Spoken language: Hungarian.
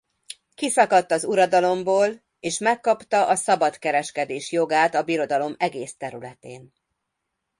Kiszakadt az uradalomból és megkapta a szabad kereskedés jogát a Birodalom egész területén.